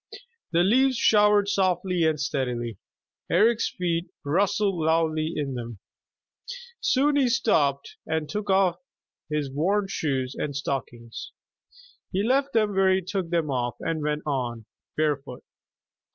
The leaves showered softly and steadily. Eric's feet rustled loudly in them. Soon he stopped and took off his worn shoes and stockings. He left them where he took them off and went on, barefoot.